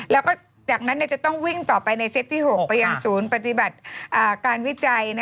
แล้วก็จากนั้นจะต้องวิ่งต่อไปในเซตที่๖ไปยังศูนย์ปฏิบัติการวิจัย